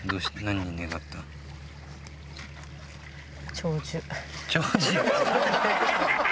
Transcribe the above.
長寿？